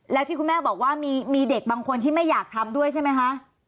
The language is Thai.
แล้วที่คุณแม่บอกว่ามีเด็กบางคนที่ไม่อยากทำด้วยใช่ไหมคะ